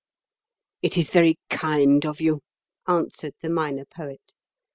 "It is very kind of you," answered the Minor Poet.